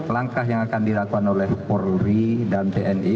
langkah yang akan dilakukan oleh polri dan tni